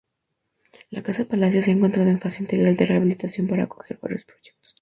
La Casa-Palacio se ha encontrado en fase integral de rehabilitación para acoger varios proyectos.